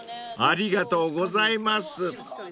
［ありがとうございます］